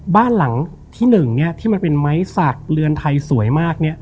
บ้านหลังที่๑ที่มันเป็นไม้สักเรือนไทยสวยมาก